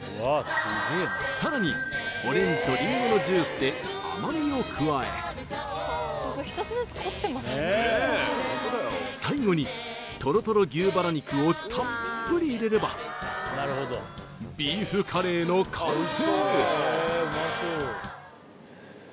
さらにオレンジとリンゴのジュースで甘みを加え最後にトロトロ牛バラ肉をたっぷり入れればビーフカレーの完成